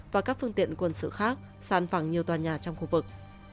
và các phương tiện quân sự khác săn phẳng nhiều tòa nhà trong khu vực